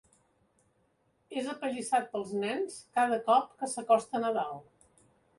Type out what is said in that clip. És apallissat pels nens cada cop que s'acosta Nadal.